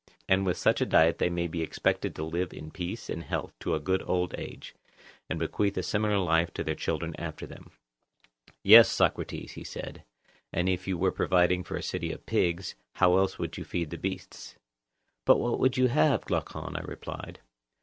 And with such a diet they may be expected to live in peace and health to a good old age, and bequeath a similar life to their children after them. Yes, Socrates, he said, and if you were providing for a city of pigs, how else would you feed the beasts? But what would you have, Glaucon? I replied.